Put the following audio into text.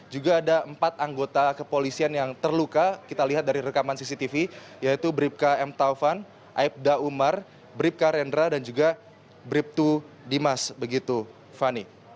juga ada empat anggota kepolisian yang terluka kita lihat dari rekaman cctv yaitu bribka m taufan aibda umar bribka rendra dan juga bribtu dimas begitu fani